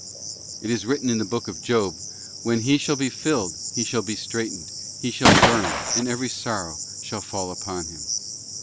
It is written in the book of Job, 'When he shall be filled, he shall be straitened, he shall burn, and every sorrow shall fall upon him.